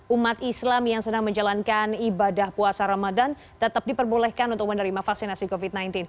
umat islam yang sedang menjalankan ibadah puasa ramadan tetap diperbolehkan untuk menerima vaksinasi covid sembilan belas